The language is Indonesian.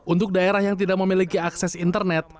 untuk daerah yang tidak memiliki akses internet